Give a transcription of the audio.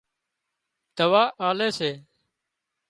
دوا آلي سي